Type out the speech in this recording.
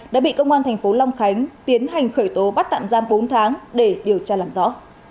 đã bị công an thành phố long khánh tiến hành khởi tố bắt tạm giam bốn tháng để điều tra làm rõ